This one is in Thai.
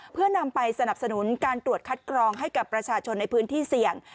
เพื่อนำไปสนับสนุนการตรวจคัดกรองให้กับประชาชนในพื้นที่เสี่ยง